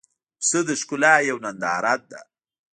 پسه د ښکلا یوه ننداره ده.